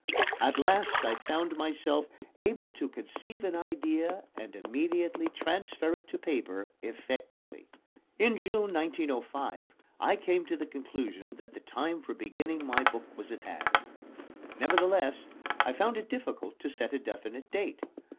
At last I found myself able to conceive an idea and immediately transfer it to paper effectively. In July, 1905, I came to the conclusion that the time for beginning my book was at hand. Nevertheless, I found it difficult to set a definite date.